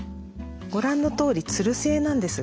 ご覧のとおりツル性なんです。